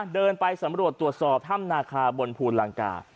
เดินไปสำรวจตรวจสอบถ้ำนาคาบนภูลังกา